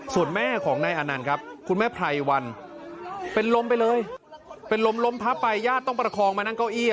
ส่วนแม่ของนายอนันต์ครับคุณแม่ไพรวันเป็นลมไปเลยเป็นลมล้มพับไปญาติต้องประคองมานั่งเก้าอี้